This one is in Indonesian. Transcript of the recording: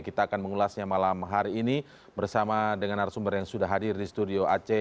kita akan mengulasnya malam hari ini bersama dengan arsumber yang sudah hadir di studio aceh